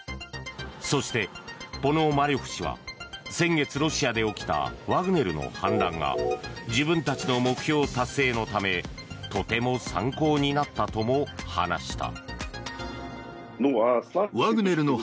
そして、ポノマリョフ氏は先月ロシアで起きたワグネルの反乱が自分たちの目標達成のためとても参考になったとも話した。